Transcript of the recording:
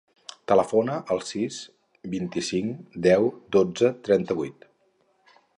Telefona al sis, vint-i-cinc, deu, dotze, trenta-vuit.